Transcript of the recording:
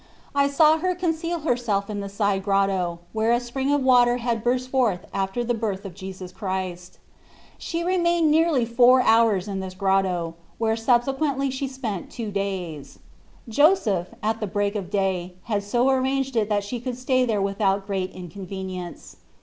I saw her conceal herself in the side grotto, where a spring of water had burst forth after the birth of Jesus Christ. She re mained nearly four hours in this grotto, where subsequently she spent two days. Joseph, at the break of day, had so ar ranged it that she could stay there without great inconvenience.